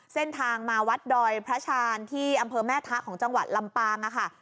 เส้นทางมาวัดดอยพระชาญที่อำเภอแม่ทะของจังหวัดลำปางค่ะ